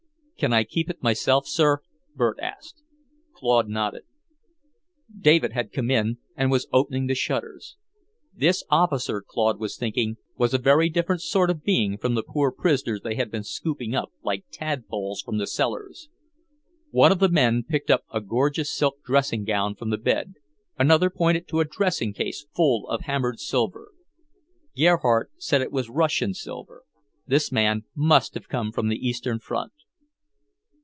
"Can I keep it myself, sir?" Bert asked. Claude nodded. David had come in, and was opening the shutters. This officer, Claude was thinking, was a very different sort of being from the poor prisoners they had been scooping up like tadpoles from the cellars. One of the men picked up a gorgeous silk dressing gown from the bed, another pointed to a dressing case full of hammered silver. Gerhardt said it was Russian silver; this man must have come from the Eastern front.